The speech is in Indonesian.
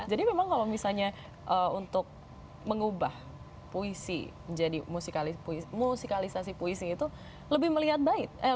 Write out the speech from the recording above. jadi memang kalau misalnya untuk mengubah puisi menjadi musikalisasi puisi itu lebih melihat baik